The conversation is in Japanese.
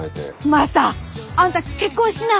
マサあんた結婚しな。